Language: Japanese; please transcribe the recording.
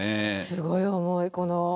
すごい重いこの。